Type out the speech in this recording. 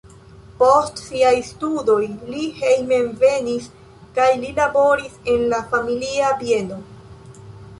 Post siaj studoj li hejmenvenis kaj li laboris en la familia bieno.